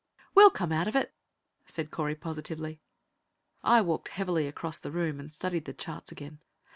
"We'll come out of it," said Correy positively. I walked heavily across the room and studied the charts again.